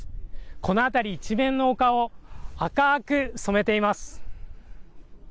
この辺り一面の丘を赤く染めています。